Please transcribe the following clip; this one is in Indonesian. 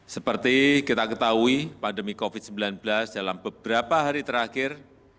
seperti kita ketahui pandemi covid sembilan belas dalam beberapa hari terakhir